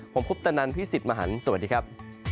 ผมคุปตะนันพี่สิทธิ์มหันฯสวัสดีครับ